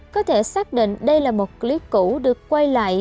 có thể xác định đây là một clip cũ được quay lại